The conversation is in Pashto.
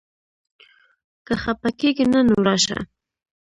که خپه کېږې نه؛ نو راشه!